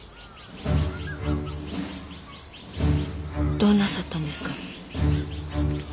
どうなさったんですか？